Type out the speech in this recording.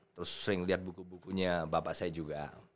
terus sering lihat buku bukunya bapak saya juga